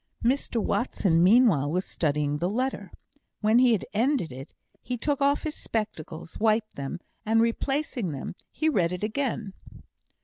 Mr Watson meanwhile was studying the letter. When he had ended it, he took off his spectacles, wiped them, and replacing them, he read it again.